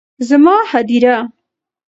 زما هديره